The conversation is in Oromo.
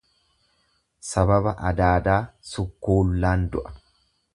Sababa adaadaa sukkuullaan du'a.